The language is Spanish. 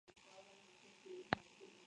El lago lo surten cinco ríos.